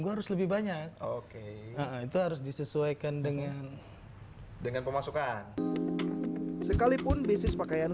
gue harus lebih banyak oke itu harus disesuaikan dengan dengan pemasukan sekalipun bisnis pakaian